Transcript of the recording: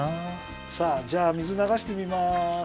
さあじゃあ水ながしてみます！